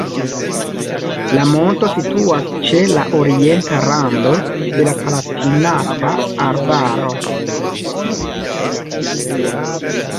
La monto situas ĉe la orienta rando de la Palatinata Arbaro.